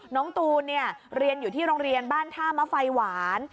น้องตูนเรียนอยู่ที่โรงเรียนบ้านท่ามะไฟหวาน